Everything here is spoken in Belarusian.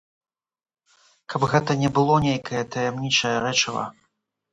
Каб гэта не было нейкае таямнічае рэчыва.